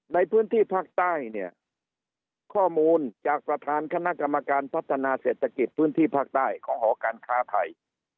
ในพื้นที่ภาคใต้เนี่ยข้อมูลจากประธานคณะกรรมการพัฒนาเศรษฐกิจพื้นที่ภาคใต้ของหอการค้าไทย